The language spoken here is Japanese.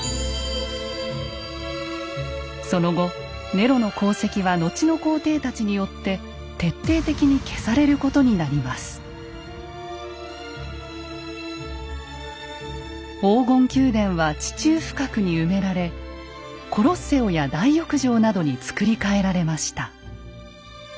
その後ネロの功績は後の皇帝たちによって黄金宮殿は地中深くに埋められコロッセオや大浴場などに造り替えられました。